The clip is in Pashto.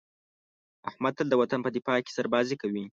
احمد تل د وطن په دفاع کې سربازي کوي.